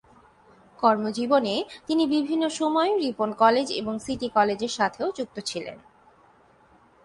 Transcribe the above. কর্মজীবনে তিনি বিভিন্ন সময়ে রিপন কলেজ এবং সিটি কলেজের সাথেও যুক্ত ছিলেন।